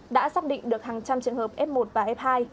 đã xác định được hàng trăm trường hợp f một và f hai